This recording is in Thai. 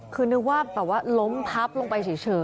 คือนึกว่าแบบว่าล้มพับลงไปเฉย